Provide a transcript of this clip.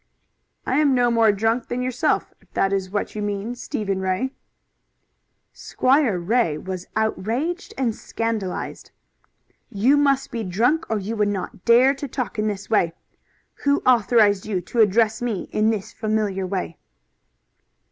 "I am no more drunk than yourself, if that is what you mean, Stephen Ray." Squire Ray was outraged and scandalized. "You must be drunk or you would not dare to talk in this way. Who authorized you to address me in this familiar way?"